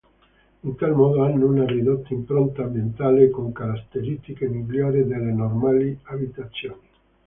In tal modo hanno una ridotta impronta ambientale con caratteristiche migliori delle normali abitazioni.